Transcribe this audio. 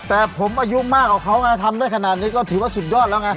แต่ผมอายุมากกว่าเขาไงทำได้ขนาดนี้ก็ถือว่าสุดยอดแล้วไง